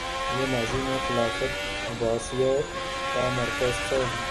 یہ ماضی میں خلافت عباسیہ کا مرکز تھا